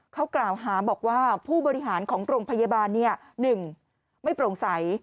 เขากล่าวหาบอกว่าผู้บริหารของโรงพยาบาล๑ไม่โปร่งใส